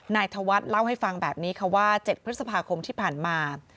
ธวัฒน์เล่าให้ฟังแบบนี้ค่ะว่า๗พฤษภาคมที่ผ่านมา